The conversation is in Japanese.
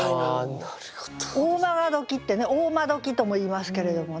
魔時ってね魔時ともいいますけれどもね